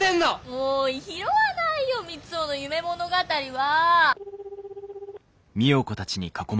もう拾わないよ三生の夢物語は。